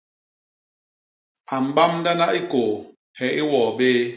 A mbamdana i kôô he i wôô béé.